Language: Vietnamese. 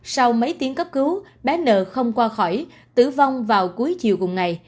sau mấy tiếng cấp cứu bé n không qua khỏi tử vong vào cuối chiều cùng ngày